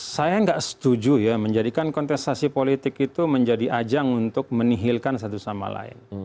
saya nggak setuju ya menjadikan kontestasi politik itu menjadi ajang untuk menihilkan satu sama lain